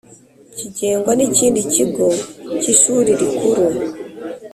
kigengwa n’ ikindi kigo cy’ ishuri rikuru